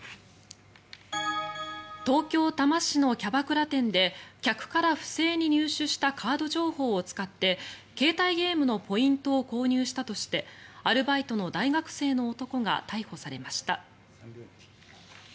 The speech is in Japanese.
東京・多摩市のキャバクラ店で客から不正に入手したカード情報を使って携帯ゲームのポイントを購入したとしてアルバイトの大学生の男が逮捕されました。